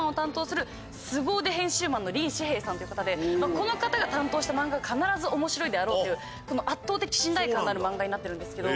この方が担当した漫画は必ず面白いであろうという圧倒的信頼感のある漫画になってるんですけど。